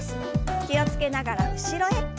気を付けながら後ろへ。